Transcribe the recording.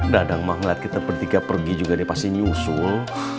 dadang mah ngeliat kita bertiga pergi juga dia pasti nyusul